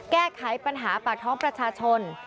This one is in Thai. แก้ไขปัญหาปากท้องประชาชน